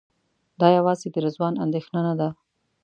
دا یوازې د رضوان اندېښنه نه ده.